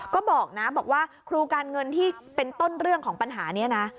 ก็บอกนะบอกว่าครูการเงินที่เป็นต้นเรื่องของปัญหานี้นะ